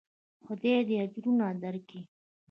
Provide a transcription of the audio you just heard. خداى دې اجرونه درکي.